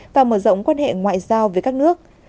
và mở rộng quan hệ ngoại giao với các nước